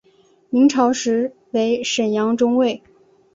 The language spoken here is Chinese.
明朝时为沈阳中卫。